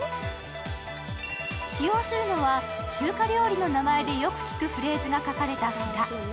使用するのは、中華料理の名前でよく聞くフレーズが書かれた札。